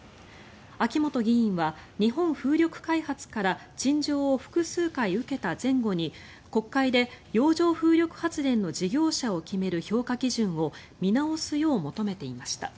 秋本議員は日本風力開発から陳情を複数回受けた前後に国会で洋上風力発電の事業者を決める評価基準を見直すよう求めていました。